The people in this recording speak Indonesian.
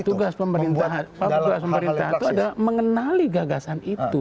tugas pemerintah itu adalah mengenali gagasan itu